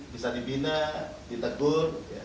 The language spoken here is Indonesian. bisa dibina ditegur